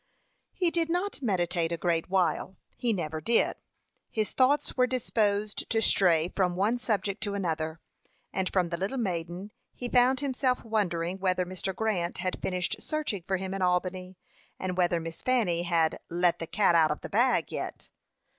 He did not meditate a great while he never did. His thoughts were disposed to stray from one subject to another; and from the little maiden, he found himself wondering whether Mr. Grant had finished searching for him in Albany, and whether Miss Fanny had "let the cat out of the bag" yet.